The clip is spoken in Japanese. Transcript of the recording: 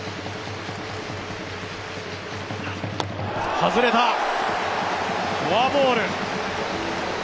外れた、フォアボール。